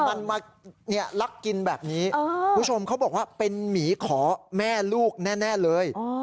มันมาลักกินแบบนี้คุณผู้ชมเขาบอกว่าเป็นหมีขอแม่ลูกแน่เลย